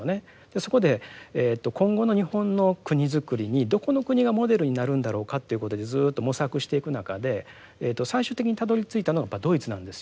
そこで今後の日本の国づくりにどこの国がモデルになるんだろうかということでずっと模索していく中で最終的にたどりついたのはドイツなんですよ。